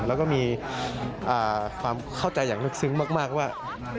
แล้วก็มีความเข้าใจอย่างลึกซึ้งมากว่า